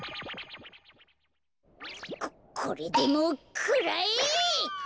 ここれでもくらえ！